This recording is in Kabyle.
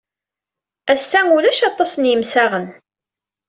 Ass-a, ulac aṭas n yimsaɣen.